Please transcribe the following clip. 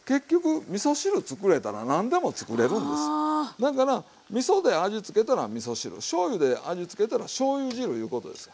だからみそで味つけたらみそ汁しょうゆで味つけたらしょうゆ汁いうことですわ。